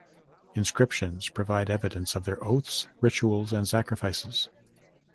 Inscriptions provide evidence of their oaths, rituals and sacrifices.